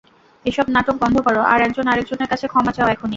এসব নাটক বন্ধ কর আর একজন আরেকজনের কাছে ক্ষমা চাও, এখনই।